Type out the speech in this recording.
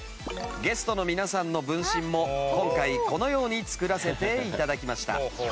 ゲストの皆さんの分身も今回このように作らせて頂きました。